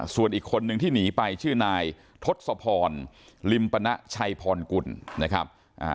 ส่วนอีกคนนึงที่หนีไปชื่อนายทศพรลิมปณะชัยพรกุลนะครับ